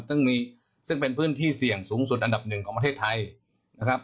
ซึ่งมีซึ่งเป็นพื้นที่เสี่ยงสูงสุดอันดับหนึ่งของประเทศไทยนะครับ